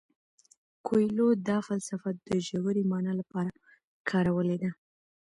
کویلیو دا فلسفه د ژورې مانا لپاره کارولې ده.